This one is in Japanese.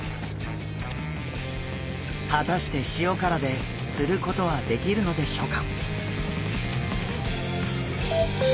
はたして塩辛でつることはできるのでしょうか？